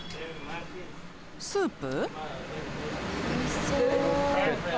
スープ？